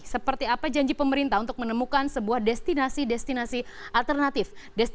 seperti apa janji pemerintah untuk menemukan sebuah destinasi destinasi alternatif